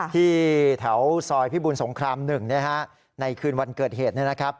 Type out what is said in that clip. ที่แถวซอยพิบุญสงคราม๑ในคืนวันเกิดเหตุ